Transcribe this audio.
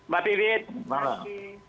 mbak bivit selamat malam